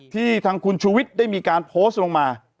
ที่ทางคุณชูวิทย์ได้มีการโพสต์ลงมา